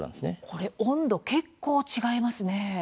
これ温度結構、違いますね。